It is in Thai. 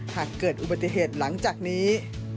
หากเกิดอุบัติเหตุหลังจากนี้